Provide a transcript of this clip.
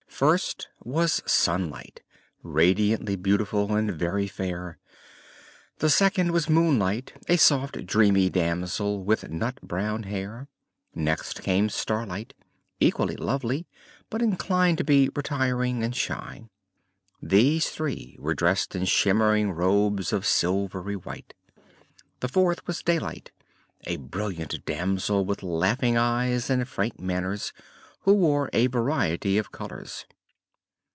First was Sunlight, radiantly beautiful and very fair; the second was Moonlight, a soft, dreamy damsel with nut brown hair; next came Starlight, equally lovely but inclined to be retiring and shy. These three were dressed in shimmering robes of silvery white. The fourth was Daylight, a brilliant damsel with laughing eyes and frank manners, who wore a variety of colors.